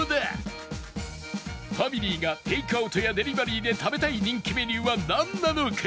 ファミリーがテイクアウトやデリバリーで食べたい人気メニューはなんなのか？